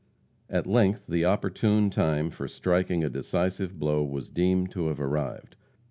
At length the opportune time for striking a decisive blow was deemed to have arrived.